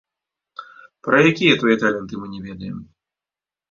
Пра якія твае таленты мы не ведаем?